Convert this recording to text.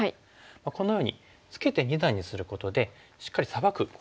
このようにツケて二段にすることでしっかりサバくことができるんですよね。